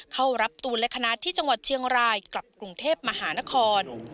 เข้ารับตูนและคณะที่จังหวัดเชียงรายกลับกรุงเทพมหานคร